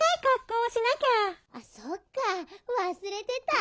そっか忘れてた。